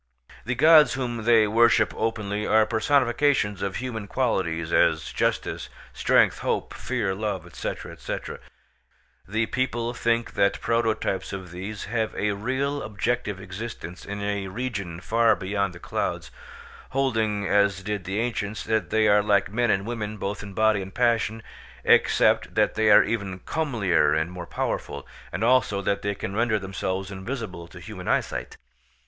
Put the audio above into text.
The gods whom they worship openly are personifications of human qualities, as justice, strength, hope, fear, love, &c., &c. The people think that prototypes of these have a real objective existence in a region far beyond the clouds, holding, as did the ancients, that they are like men and women both in body and passion, except that they are even comelier and more powerful, and also that they can render themselves invisible to human eyesight.